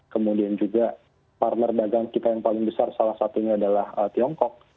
kemudian juga partner dagang kita yang paling besar salah satunya adalah tiongkok